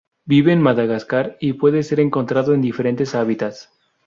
Vive en Madagascar y puede ser encontrado en diferentes hábitats.